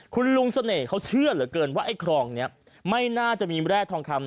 คุณลุงเสน่ห์เขาเชื่อเหลือเกินว่าไอ้ครองนี้ไม่น่าจะมีแร่ทองคำ